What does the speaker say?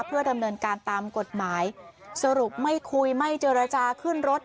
เพื่อดำเนินการตามกฎหมายสรุปไม่คุยไม่เจรจาขึ้นรถ